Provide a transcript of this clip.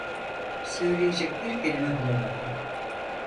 Söyleyecek bir kelime bulamadı.